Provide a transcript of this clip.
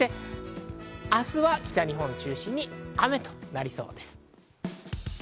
明日は北日本を中心に雨となりそうです。